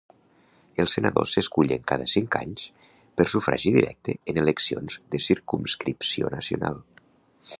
Els senadors s'escullen cada cinc anys per sufragi directe en eleccions de circumscripció nacional.